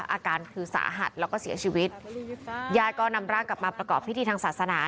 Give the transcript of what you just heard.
อาการคือสาหัสแล้วก็เสียชีวิตญาติก็นำร่างกลับมาประกอบพิธีทางศาสนา